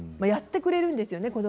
やってくれるんですよね